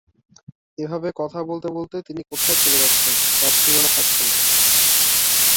এভাবে কথা বলতে বলতে তিনি কোথায় চলে যাচ্ছেন, তার সীমানা থাকছে না।